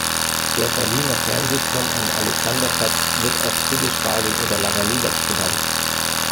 Der Berliner Fernsehturm am Alexanderplatz wird auch Telespagel oder langer Lulatsch genannt.